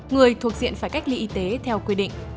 người thuộc diện phải cách ly y tế theo quy định